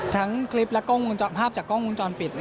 ทั้งคลิปและภาพจากกล้องวงจรปิด